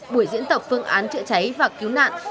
buổi diễn tập phương án chữa cháy và cứu nạn